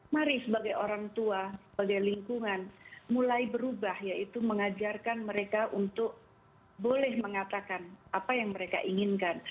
mari sebagai orang tua sebagai lingkungan mulai berubah yaitu mengajarkan mereka untuk boleh mengatakan apa yang mereka inginkan